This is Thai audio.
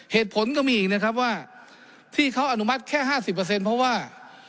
เหตุผลก็มีอีกนะครับว่าที่เขาอนุมัติแค่ห้าสิบเปอร์เซ็นต์เพราะว่า